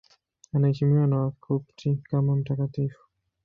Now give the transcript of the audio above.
Anaheshimiwa na Wakopti kama mtakatifu.